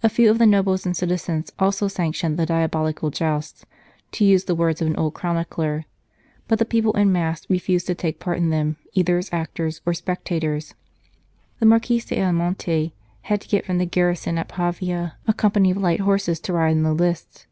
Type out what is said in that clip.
A few of the nobles and citizens also sanctioned the 181 St. Charles Borromeo " diabolical jousts" to use the words of an old chronicler but the people en masse refused to take part in them either as actors or spectators. The Marquis d Ayamonte had to get from the garrison at Pavia a company of light horse to ride in the lists.